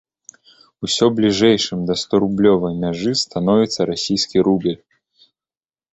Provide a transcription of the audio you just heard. Усё бліжэйшым да сторублёвай мяжы становіцца расійскі рубель.